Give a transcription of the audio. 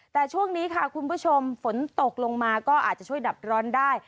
แต่ช่วงนี้ค่ะคุณผู้ชมฝนตกลงมาก็อาจจะช่วยดับร้อนได้